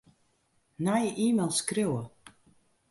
Nije e-mail skriuwe.